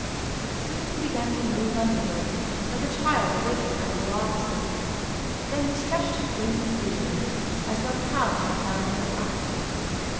Soon he began to move uneasily, like a child awaking out of a long sleep; then he stretched his wings leisurely as though proud to have found them at last.